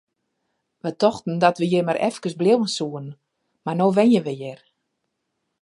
Wy tochten dat we hjir mar efkes bliuwe soene, mar no wenje we hjir!